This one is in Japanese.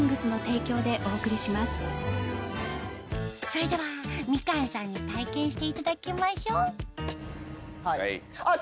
それではみかんさんに体験していただきましょうあっ